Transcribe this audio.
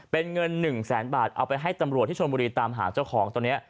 เป็นเงิน๑แสนบาทเอาไปให้ตำรวจที่ชนบุรีตามหาเจ้าของตัวนี้